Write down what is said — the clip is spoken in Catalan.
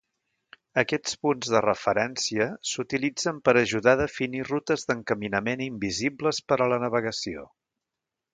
Aquests punts de referencia s'utilitzen per ajudar a definir rutes d'encaminament invisibles per a la navegació.